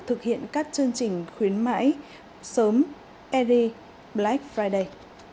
thực hiện các chương trình khuyến mãi sớm ed black friday